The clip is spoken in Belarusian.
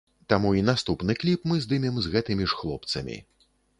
Таму і наступны кліп мы здымем з гэтымі ж хлопцамі.